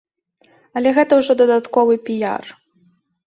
Але гэта ўжо дадатковы піяр.